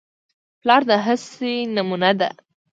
پلار د هڅې نمونه ده.